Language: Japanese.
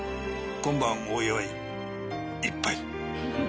「今晩お祝い一杯」